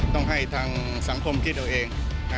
ต้องให้ทางสังคมที่ตัวเอง